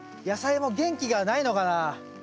野菜も元気がないのかな？